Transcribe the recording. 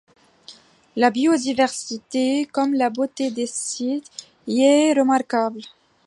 La biodiversité comme la beauté des sites y est remarquable.